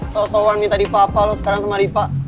sosok sosok minta dipa apa lo sekarang sama dipa